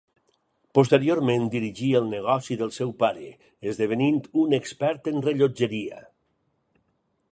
Posteriorment dirigí el negoci del seu pare, esdevenint un expert en rellotgeria.